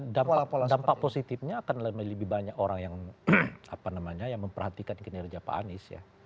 dampak positifnya akan lebih banyak orang yang memperhatikan kinerja pak anies ya